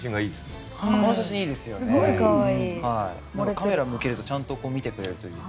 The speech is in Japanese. カメラを向けるとちゃんと見てくれるというか。